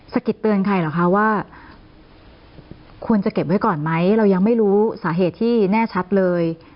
กิดเตือนใครเหรอคะว่าควรจะเก็บไว้ก่อนไหมเรายังไม่รู้สาเหตุที่แน่ชัดเลย